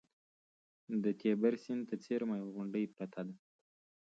د تیبر سیند ته څېرمه یوه غونډۍ پرته ده